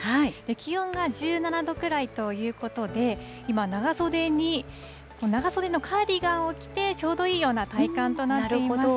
気温が１７度くらいということで、今、長袖に、長袖のカーディガンを着てちょうどいいような体感となっています。